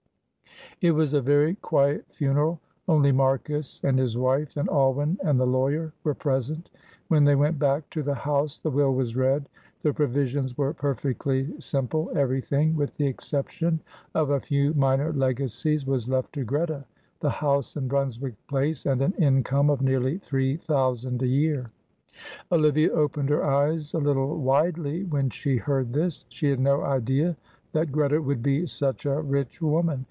It was a very quiet funeral. Only Marcus and his wife and Alwyn and the lawyer were present. When they went back to the house the will was read. The provisions were perfectly simple. Everything, with the exception of a few minor legacies, was left to Greta, the house in Brunswick Place and an income of nearly three thousand a year. Olivia opened her eyes a little widely when she heard this. She had no idea that Greta would be such a rich woman.